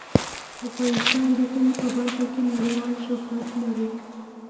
افغانستان د کلي په برخه کې نړیوال شهرت لري.